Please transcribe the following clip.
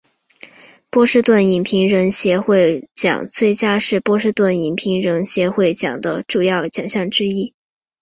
波士顿影评人协会奖最佳是波士顿影评人协会奖的主要奖项之一。